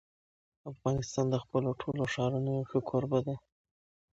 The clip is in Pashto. افغانستان د خپلو ټولو ښارونو یو ښه کوربه دی.